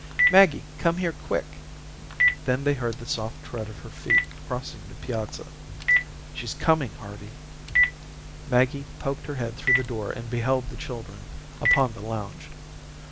"Maggie, come here, quick." Then they heard the soft tread of her feet crossing the piazza. "She's coming, Harvey." Maggie poked her head through the door and beheld the children upon the lounge.